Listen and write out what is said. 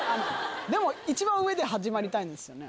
一番上で始まりたいんですよね？